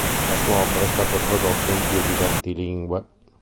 La sua opera è stata tradotta in più di venti lingue.